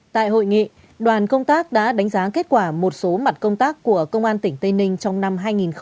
tại hội nghị đoàn công tác đã đánh giá kết quả một số mặt công tác của công an tỉnh tây ninh trong năm hai nghìn hai mươi ba